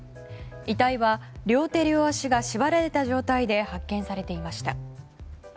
遺体は両手両足が縛られた状態で発見されていました。